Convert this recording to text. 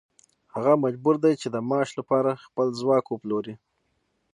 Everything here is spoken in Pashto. هغه مجبور دی چې د معاش لپاره خپل ځواک وپلوري